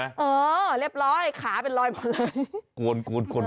เออเรียบร้อยขาเป็นรอยหมดเลย